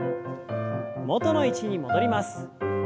元の位置に戻ります。